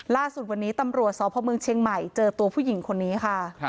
ล่าสุดวันนี้ตำรวจสพเมืองเชียงใหม่เจอตัวผู้หญิงคนนี้ค่ะ